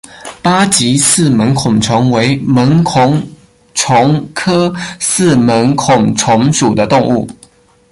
八棘四门孔虫为门孔虫科四门孔虫属的动物。